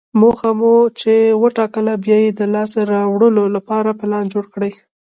موخه مو چې وټاکله، بیا یې د لاسته راوړلو لپاره پلان جوړ کړئ.